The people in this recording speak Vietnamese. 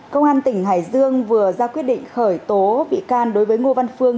công an tỉnh hải dương vừa ra quyết định khởi tố bị can đối với ngô văn phương